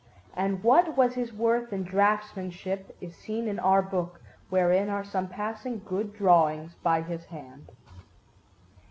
And what was his worth in draughtsmanship is seen in our book, wherein are some passing good drawings by his hand.